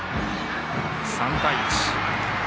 ３対１。